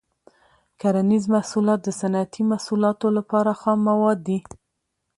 کرنیز محصولات د صنعتي محصولاتو لپاره خام مواد دي.